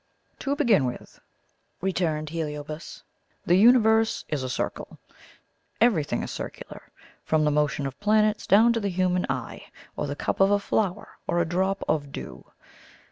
"To begin with," returned Heliobas, "the Universe is a circle. Everything is circular, from the motion of planets down to the human eye, or the cup of a flower, or a drop of dew.